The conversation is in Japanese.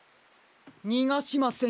にがしませんよ。